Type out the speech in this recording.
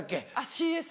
ＣＳ。